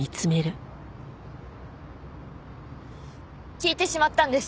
聞いてしまったんです。